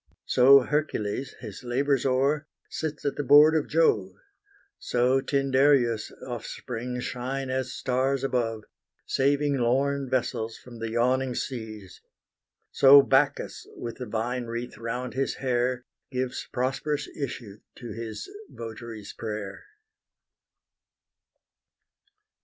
So Hercules, His labours o'er, sits at the board of Jove: So Tyndareus' offspring shine as stars above, Saving lorn vessels from the yawning seas: So Bacchus, with the vine wreath round his hair, Gives prosperous issue to his votary's prayer.